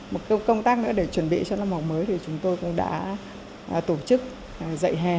một công tác nữa để chuẩn bị cho năm học mới thì chúng tôi cũng đã tổ chức dạy hè bồi dẫn hè chuyên môn